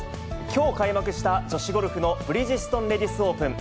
きょう開幕した、女子ゴルフのブリヂストンレディスオープン。